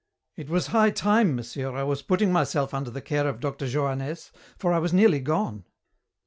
"It was high time, monsieur, I was putting myself under the care of Dr. Johannès, for I was nearly gone.